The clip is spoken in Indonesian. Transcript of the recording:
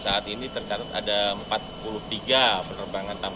jelang gelaran motogp madalikat delapan belas hingga dua puluh maret mendatang